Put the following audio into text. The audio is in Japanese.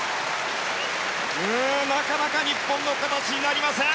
なかなか日本の形になりません。